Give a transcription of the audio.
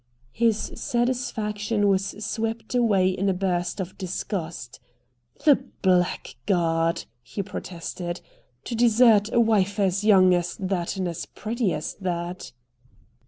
His satisfaction was swept away in a burst of disgust. "The blackguard!" he protested. "To desert a wife as young as that and as pretty as that."